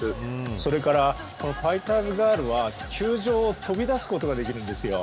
それからファイターズガールは球場を飛び出すことができるんです。